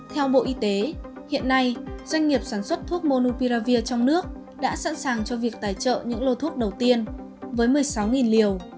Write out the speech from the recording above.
theo bộ y tế hiện nay doanh nghiệp sản xuất thuốc monupiravir trong nước đã sẵn sàng cho việc tài trợ những lô thuốc đầu tiên với một mươi sáu liều